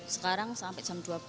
sekarang sampai jam dua belas